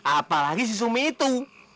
apalagi si sumi itu